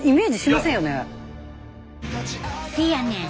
せやねん。